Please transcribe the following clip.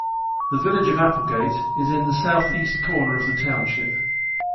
The village of Applegate is in the southeast corner of the township.